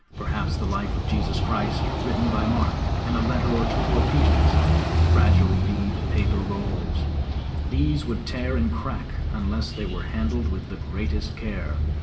Perhaps the life of Jesus Christ, written by Mark, and a letter or two of Peter's; fragile, reed paper rolls, which would tear and crack unless they were handled with the greatest care.